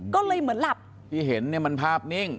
ก็เลยเหมือนหลับที่เห็นเนี่ยมันภาพนิ่ง